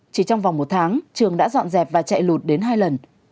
chỉ trong vòng một tháng trường đã dọn dẹp và chạy lụt đến hai lần